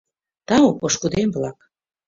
— Тау, пошкудем-влак.